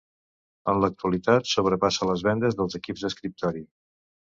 En l'actualitat sobrepassa les vendes dels equips d'escriptori.